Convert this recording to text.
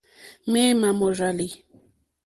Ŋměmà mòrzàlì.